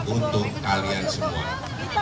untuk kalian semua